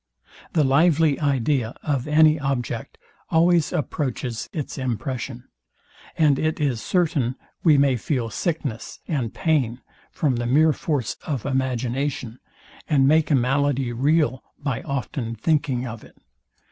The lively idea of any object always approaches is impression; and it is certain we may feel sickness and pain from the mere force of imagination, and make a malady real by often thinking of it.